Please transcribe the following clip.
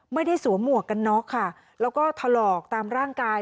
สวมหมวกกันน็อกค่ะแล้วก็ถลอกตามร่างกาย